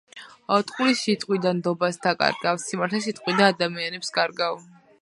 ტყუილს იტყვი და ნდობას დაკარგავ. სიმართლეს იტყვი და ადამიანებს კარგავ.